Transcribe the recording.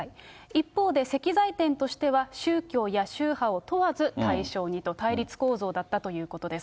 一方で、石材店としては宗教や宗派を問わず対象にと、対立構造だったということです。